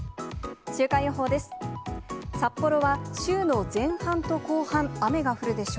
週間予報です。